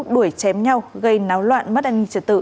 đuổi chém nhau gây náo loạn mất an ninh trật tự